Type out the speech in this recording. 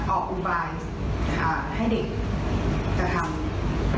ออกอุบายให้เด็กจะทำ